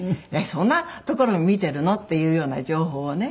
そんなところも見ているの？っていうような情報をね。